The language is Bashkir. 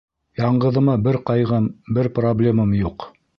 Яңғыҙыма бер ҡайғым, бер проблемам юҡ.